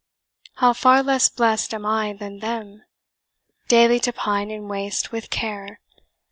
"How far less blest am I than them? Daily to pine and waste with care!